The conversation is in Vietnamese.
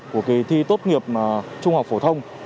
của kỳ thi tốt nghiệp trung học phổ thông